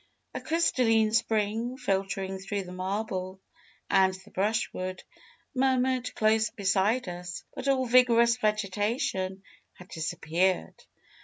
A crystalline spring, filtering through the marble and the brushwood, murmured close beside us. But all vigorous vegetation had disappeared.